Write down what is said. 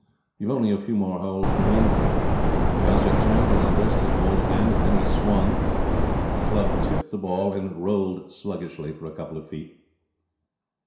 You've only a few more holes to win.' Gossett turned and addressed his ball again. Then he swung. The club tipped the ball, and it rolled sluggishly for a couple of feet.